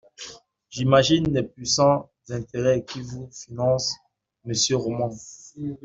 J’imagine les puissants intérêts qui vous financent, monsieur Roman